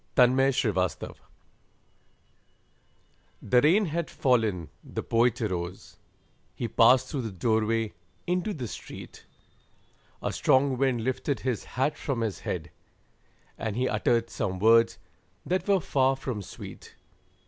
THE POET'S HAT The rain had fallen, the Poet arose, He passed through the doorway into the street, A strong wind lifted his hat from his head, And he uttered some words that were far from sweet.